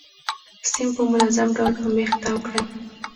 سیم په منظم ډول په میخ تاو کړئ.